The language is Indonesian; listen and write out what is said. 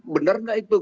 bener nggak itu